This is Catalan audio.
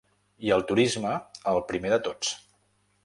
I el turisme, el primer de tots.